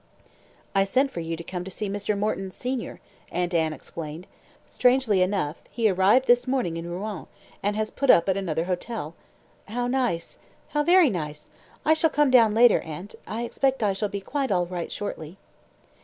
"I sent for you to come to see Mr. Morton, senior," Aunt Anne explained. "Strangely enough, he arrived this morning in Rouen, and has put up at another hotel." "How nice. How very nice! I shall come down later, aunt. I expect I shall be quite all right shortly."